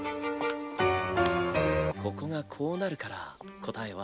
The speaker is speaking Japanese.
ここがこうなるから答えは。